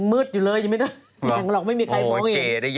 ยังมืดอยู่เลยยังไม่ได้ห่างหรอกไม่มีใครมองอย่างนี้โอ้โฮเก่ย